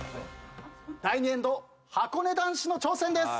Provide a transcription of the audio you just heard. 第２エンドはこね男子の挑戦です。